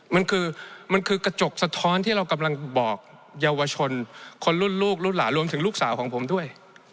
มันคือมันคือกระจกสะท้อนที่เรากำลังบอกเยาวชนคนรุ่นลูกรุ่นหลานรวมถึงลูกสาวของผมด้วย